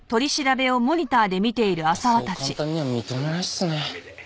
やっぱそう簡単には認めないっすね。